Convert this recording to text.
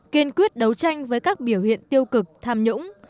kiên quyết đấu tranh với các biểu hiện tiêu cực tham nhũng